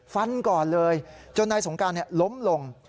ฟันก่อนเลยจนนายสงการล้มลง